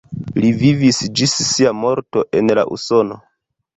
Li vivis ĝis sia morto en la Usono.